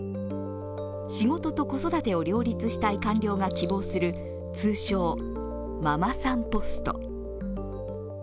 仕事と子育てを両立したい官僚が希望する通称ママさんポスト。